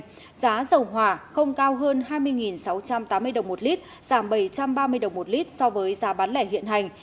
giá dầu hỏa không cao hơn hai mươi sáu trăm tám mươi đồng một lít giảm bảy trăm ba mươi đồng một lít so với giá bán lẻ hiện hành